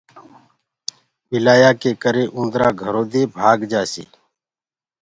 ٻلِآيآ ڪي ڪري اُوندرآ گھرو دي ڀآگجآسي۔